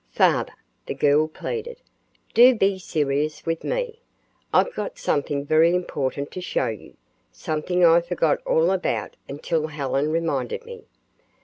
"Father," the girl pleaded; "do be serious with me. I've got something very important to show you, something I forgot all about until Helen reminded me.